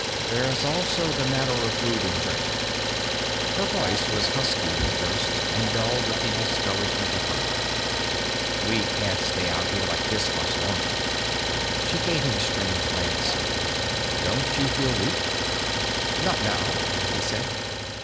_ "There's also the matter of food and drink." Her voice was husky with thirst and dull with the discouragement of hunger. "We can't stay out here like this much longer." She gave him a strange glance. "Don't you feel weak?" "Not now," he said.